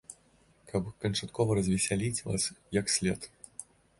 Каб канчаткова развесяліць вас, як след.